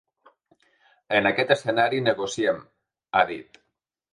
En aquest escenari negociem, ha dit.